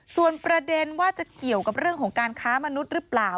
ส่วนประเด็นว่าจะเกี่ยวกับเรื่องของการค้ามนุษย์หรือเปล่า